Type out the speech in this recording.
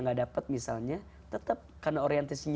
gapai kemuliaan akan kembali